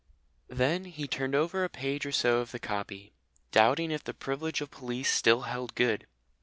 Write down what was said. Then he turned over a page or so of the copy, doubting if the privilege of police still held good.